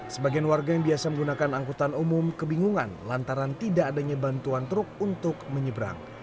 sebagian warga yang biasa menggunakan angkutan umum kebingungan lantaran tidak adanya bantuan truk untuk menyeberang